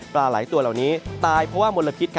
ปลาไหลตัวเหล่านี้ตายเพราะว่ามลพิษ